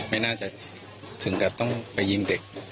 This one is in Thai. ไม่น่าจะถึงกับต้องไปยิงเด็ก